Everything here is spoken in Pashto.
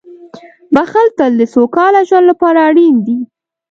• بښل تل د سوکاله ژوند لپاره اړین دي.